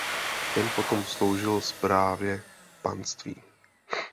Ten potom sloužil správě panství.